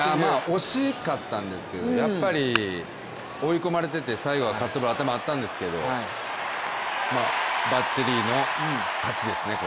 惜しかったんですけれどもやっぱり追い込まれていて、最後はカットボールが頭にあったんですけど、バッテリーの勝ちですね。